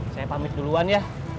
saya pamit duluan ya